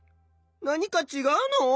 何かちがうの？